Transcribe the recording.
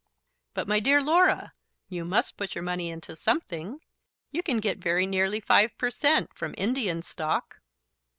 "But, my dear Laura, you must put your money into something. You can get very nearly 5 per cent. from Indian Stock."